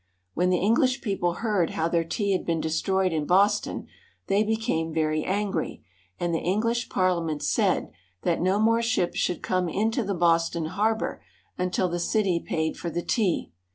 When the English people heard how their tea had been destroyed in Boston, they became very angry, and the English Parliament said that no more ships should come into the Boston harbor until the city paid for the tea.